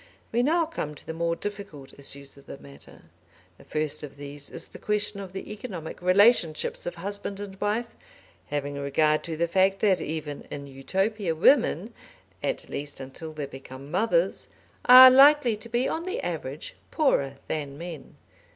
We now come to the more difficult issues of the matter. The first of these is the question of the economic relationships of husband and wife, having regard to the fact that even in Utopia women, at least until they become mothers, are likely to be on the average poorer than men.